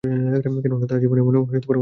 কেননা, তাহার জীবনে এমন অনেকবার ঘটিয়াছে।